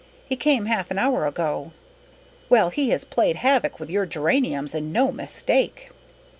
He came half an hour ago. Well, he has played havoc with your geraniums and no mistake."